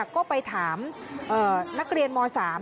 ก็ไปถามนักเรียนม๓